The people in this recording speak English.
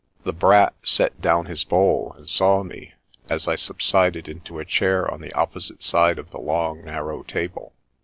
The Brat set down his bowl, and saw me, as I subsided into a chair on the opposite side of the long, narrow table.